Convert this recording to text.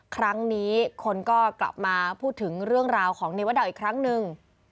ครั้งนี้คนก็กลับมาพูดถึงเรื่องราวของเนวดาวอีกครั้งหนึ่ง